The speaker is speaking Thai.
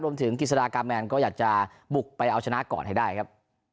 กิจสดากาแมนก็อยากจะบุกไปเอาชนะก่อนให้ได้ครับ